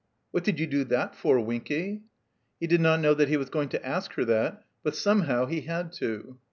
"What did you do that for, Winky?" He did not know that he was going to ask her that; but somehow he had to.